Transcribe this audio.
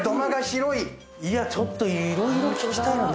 いやちょっといろいろ聞きたい。